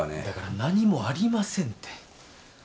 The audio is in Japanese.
だから何もありませんって。